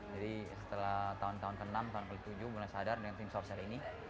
jadi setelah tahun tahun ke enam tahun ke tujuh gue sudah sadar dengan tim saurseli ini